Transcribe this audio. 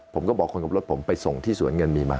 ผมก็บอกคนขับรถผมไปส่งที่สวนเงินมีมา